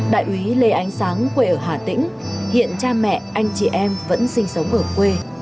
đại úy lê ánh sáng quê ở hà tĩnh hiện cha mẹ anh chị em vẫn sinh sống ở quê